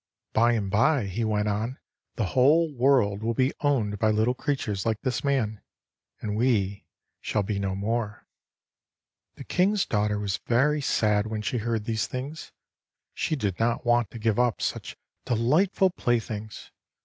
"By and by," he went on, "the whole world will be owned by little creatures like this man, and we shall be no more." The King's daughter was very sad when she heard these things. She did not want to give up such delightful playthings.